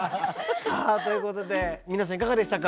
さあということで皆さんいかがでしたか？